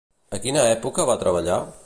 A quina època va treballar?